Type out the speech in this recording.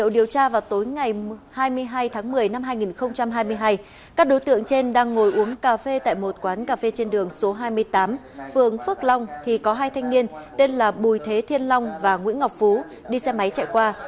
đang ngồi uống cà phê tại một quán cà phê trên đường số hai mươi tám phường phước long thì có hai thanh niên tên là bùi thế thiên long và nguyễn ngọc phú đi xe máy chạy qua